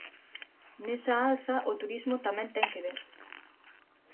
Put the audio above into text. Nesa alza o turismo tamén ten que ver.